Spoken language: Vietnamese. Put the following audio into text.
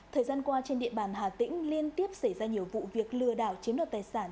thời gian qua trên địa bàn hà tĩnh liên tiếp xảy ra nhiều vụ việc lừa đảo chiếm đoạt tài sản